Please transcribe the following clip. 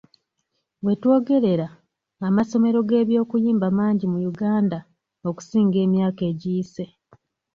Wetwogerera, amasomero g'eby'okuyimba mangi mu Uganda okusinga emyaka egiyise.